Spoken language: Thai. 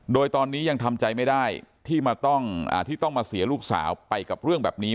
โดยตอนนี้ยังทำใจไม่ได้ที่ต้องมาเสียลูกสาวไปกับเรื่องแบบนี้